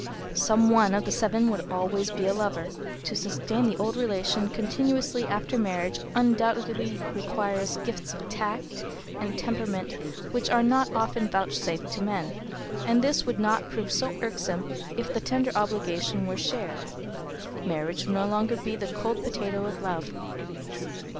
Some one of the seven would always be a lover. To sustain the old relation continuously after marriage undoubtedly requires gifts of tact and temperament which are not often vouchsafed to men, and this would not prove so irksome if the tender obligation were shared. Marriage would no longer be the cold potato of love.